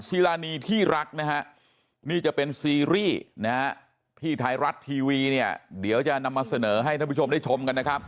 ซีรานีที่รักนะฮะนี่จะเป็นซีรีส์นะฮะที่ไทยรัฐทีวีเนี่ยเดี๋ยวจะนำมาเสนอให้ท่านผู้ชมได้ชมกันนะครับ